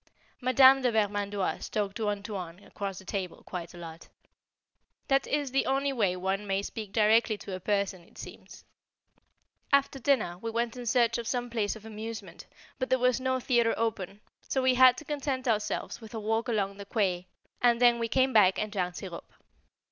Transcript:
Madame de Vermandoise talked to "Antoine" across the table quite a lot. That is the only way one may speak directly to a person, it seems. After dinner we went in search of some place of amusement, but there was no theatre open, so we had to content ourselves with a walk along the quay, and then we came back and drank sirop.